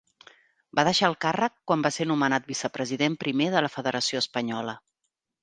Va deixar el càrrec quan va ser nomenat vicepresident primer de la Federació Espanyola.